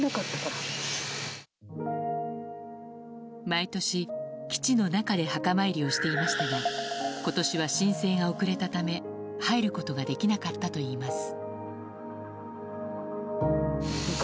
毎年、基地の中で墓参りをしていましたが今年は申請が遅れたため入ることができなかったといいます。